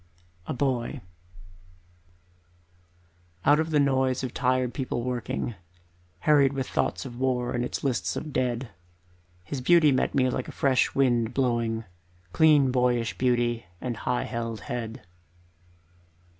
A Boy Out of the noise of tired people working, Harried with thoughts of war and lists of dead, His beauty met me like a fresh wind blowing, Clean boyish beauty and high held head.